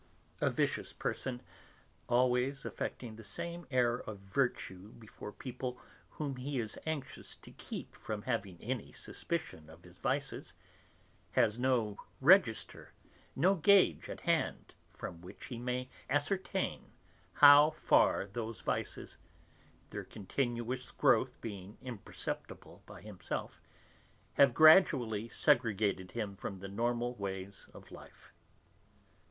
A vicious person, always affecting the same air of virtue before people whom he is anxious to keep from having any suspicion of his vices, has no register, no gauge at hand from which he may ascertain how far those vices (their continuous growth being imperceptible by himself) have gradually segregated him from the normal ways of life.